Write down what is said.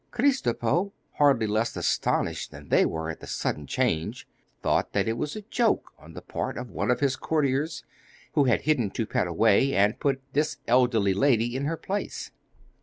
Kristopo, hardly less astonished than they were at the sudden change, thought that it was a joke on the part of one of his courtiers, who had hidden Toupette away, and put this elderly lady in her place.